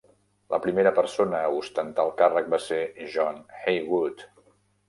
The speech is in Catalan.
La primera persona a ostentar el càrrec va ser John Haywood.